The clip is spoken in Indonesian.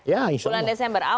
ya insya allah